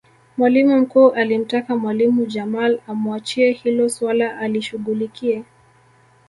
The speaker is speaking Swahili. mwalimu mkuu alimtaka mwalimu jamal amuachie hilo suala alishughulikie